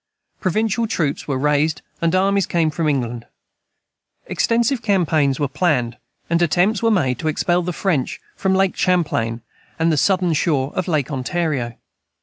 Provincial troops were raised, and armies came from England. Extensive campaigns were planned, and attempts were made to expel the French from Lake Champlain and the southern shore of Lake Ontario.